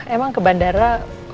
emang ke bandara